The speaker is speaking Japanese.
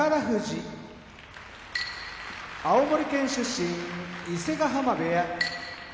富士青森県出身伊勢ヶ濱部屋